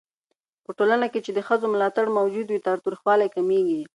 په ټولنه کې چې د ښځو ملاتړ موجود وي، تاوتريخوالی کمېږي.